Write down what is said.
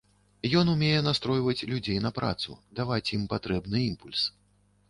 Ён умее настройваць людзей на працу, даваць ім патрэбны імпульс.